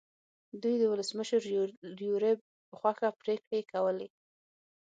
دوی د ولسمشر یوریب په خوښه پرېکړې کولې.